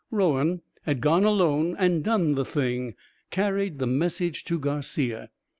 Rowan had gone alone and done the thing carried the message to Garcia.